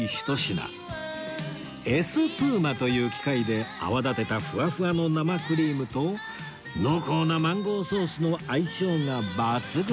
エスプーマという機械で泡立てたふわふわの生クリームと濃厚なマンゴーソースの相性が抜群です